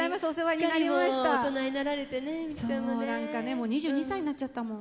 もう２２歳になっちゃったもん。